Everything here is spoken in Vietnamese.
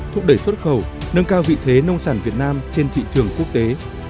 thúc đẩy xuất khẩu nâng cao vị thế nông sản việt nam trên thị trường quốc tế